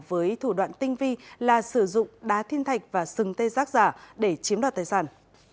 với thủ đoạn tinh vi là sử dụng đá thiên thạch và sừng tê giác giả để chiếm đoạt tài sản